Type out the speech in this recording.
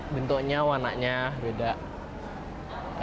bentuknya wananya beda